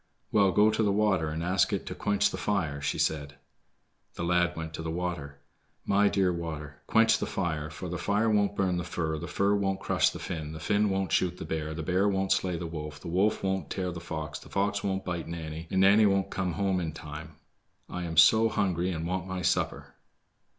"Well, go to the water, and ask it to quench the fire," she said. The lad went to the water. "My dear water, quench the fire, for the fire won't burn the fir, the fir won't crush the Finn, the Finn won't shoot the bear, the bear won't slay the wolf, the wolf won't tear the fox, the fox won't bite Nanny, and Nanny won't come home in time. I am so hungry and want my supper."